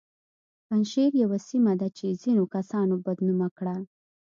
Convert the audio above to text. پنجشیر یوه سیمه ده چې ځینو کسانو بد نومه کړه